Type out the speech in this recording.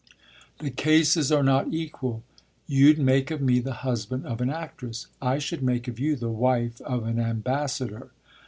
"The cases are not equal. You'd make of me the husband of an actress. I should make of you the wife of an ambassador."